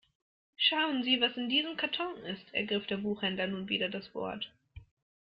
Schauen Sie, was in diesem Karton ist, ergriff der Buchhändler nun wieder das Wort.